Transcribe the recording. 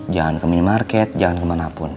jangan ke minimarket jangan kemanapun